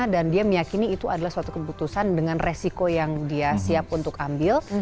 dan dia meyakini itu adalah suatu keputusan dengan resiko yang dia siap untuk ambil